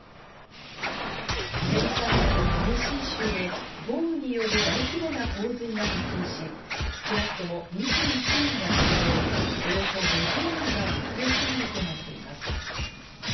アメリカ南部テネシー州で豪雨による大規模な洪水が発生し、少なくとも２１人が死亡、およそ５０人が行方不明となっています。